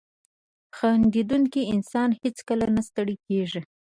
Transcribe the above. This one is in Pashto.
• خندېدونکی انسان هیڅکله نه ستړی کېږي.